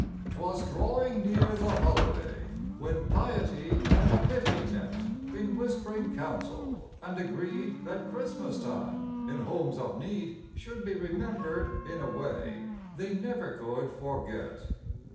'Twas drawing near the holiday, When piety and pity met In whisp'ring council, and agreed That Christmas time, in homes of need, Should be remembered in a way They never could forget.